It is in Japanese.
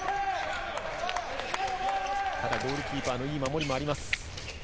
ゴールキーパーのいい守りもあります。